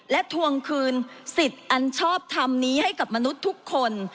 และทวงคืนสิทธิ์อันชอบทำนี้ให้กับมนุษย์ทุกคน